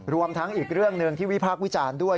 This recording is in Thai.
รวมทั้งอีกเรื่องหนึ่งที่วิพากษ์วิจารณ์ด้วย